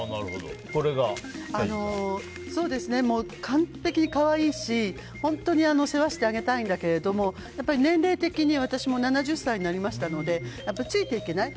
完璧に可愛いし、本当に世話してあげたいんだけれどもやっぱり年齢的に私も７０歳になりましたのでついていけない。